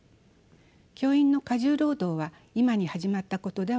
教員の過重労働は今に始まったことではありません。